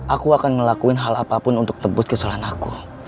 aku akan ngelakuin hal apapun untuk tebus kesalahan aku